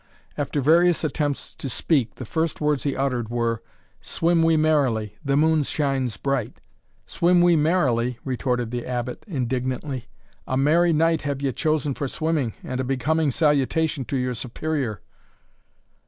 After various attempts to speak, the first words he uttered were, "Swim we merrily the moon shines bright." "Swim we merrily!" retorted the Abbot, indignantly; "a merry night have ye chosen for swimming, and a becoming salutation to your Superior!"